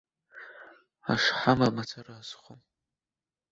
Ашҳам амацара азхом!